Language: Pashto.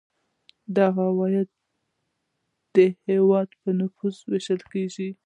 دا عواید د هیواد په نفوس ویشل کیږي.